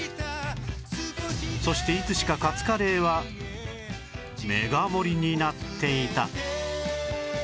そしていつしかカツカレーはメガ盛りになっていた